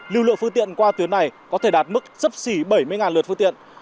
lưu lượng phương tiện qua tuyến này có thể đạt mức sấp xỉ bảy mươi lượt phương tiện